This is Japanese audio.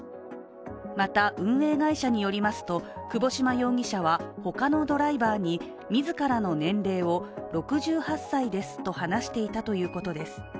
また、運営会社によりますと窪島容疑者は他のドライバーに自らの年齢を６８歳ですと話していたということです。